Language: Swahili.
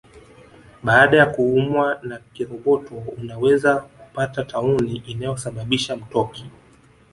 Baada ya kuumwa na kiroboto unaweza kupata tauni inayosababisha mtoki